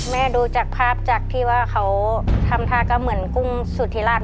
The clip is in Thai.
ดูจากภาพจากที่ว่าเขาทำท่าก็เหมือนกุ้งสุธิราช